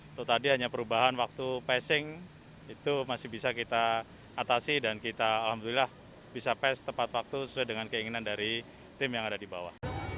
untuk tadi hanya perubahan waktu passing itu masih bisa kita atasi dan kita alhamdulillah bisa pas tepat waktu sesuai dengan keinginan dari tim yang ada di bawah